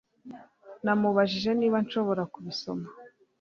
Namubajije niba nshobora kubisoma